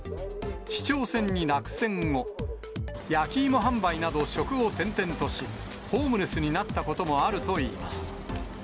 市長選に落選後、焼き芋販売など、職を転々とし、ホームレスになったこともあるといいます。